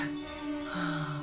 はあ。